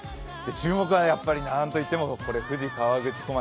注目はやっぱりなんといっても富士河口湖町。